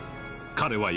彼は